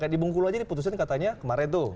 di bengkulu aja diputusin katanya kemarin tuh